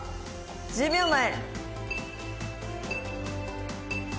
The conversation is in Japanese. １０秒前。